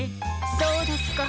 そうどすか。